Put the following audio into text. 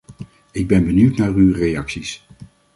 Ik ben benieuwd naar uw reacties.